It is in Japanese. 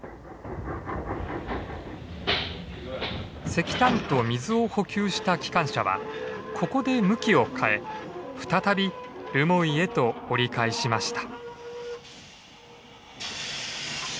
石炭と水を補給した機関車はここで向きを変え再び留萌へと折り返しました。